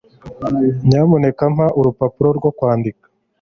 nyamuneka mpa urupapuro rwo kwandika